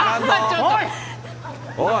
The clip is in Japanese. おい！